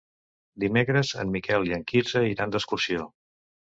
Dimecres en Miquel i en Quirze iran d'excursió.